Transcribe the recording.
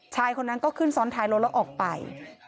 ชายคนนั้นก็ขึ้นซ้อนท้ายรถแล้วออกไป